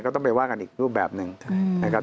ก็ต้องไปว่ากันอีกรูปแบบหนึ่งนะครับ